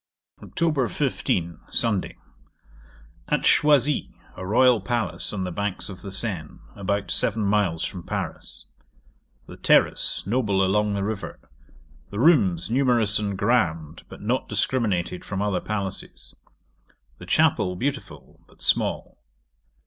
'Oct. 15. Sunday. At Choisi, a royal palace on the banks of the Seine, about 7m. from Paris. The terrace noble along the river. The rooms numerous and grand, but not discriminated from other palaces. The chapel beautiful, but small.